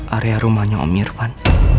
area rumahnya om irfan